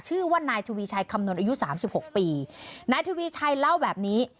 ชื่อว่านายทวีชัยคำนวณอายุสามสิบหกปีนายทวีชัยเล่าแบบนี้